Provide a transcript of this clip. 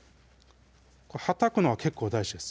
はたくのは結構大事です